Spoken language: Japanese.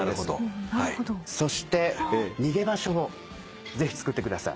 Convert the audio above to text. そして逃げ場所をぜひつくってください。